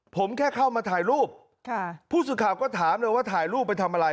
ผมแค่เข้ามาถ่ายรูปค่ะผู้สื่อข่าวก็ถามเลยว่าถ่ายรูปไปทำอะไร